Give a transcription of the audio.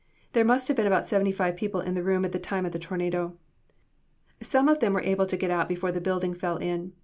There must have been about seventy five people in the room at the time of the tornado. Hone of them were able to get out before the building fell in.